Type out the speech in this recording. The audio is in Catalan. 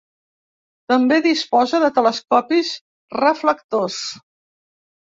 També disposa de telescopis reflectors.